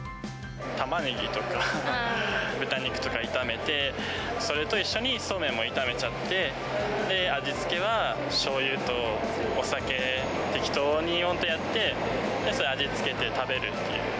タマネギとか豚肉とか炒めて、それと一緒にそうめんも炒めちゃって、味付けは、しょうゆとお酒、適当に本当やって、味付けて食べるっていう。